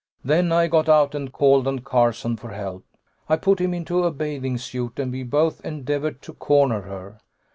"Then I got out and called on Carson for help. I put him into a bathing suit, and we both endeavored to corner her.